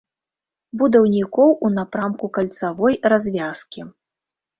Будаўнікоў у напрамку кальцавой развязкі.